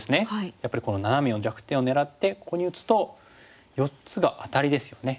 やっぱりこのナナメの弱点を狙ってここに打つと４つがアタリですよね。